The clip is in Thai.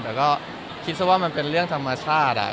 แต่ก็คิดซะว่ามันเป็นเรื่องธรรมชาติ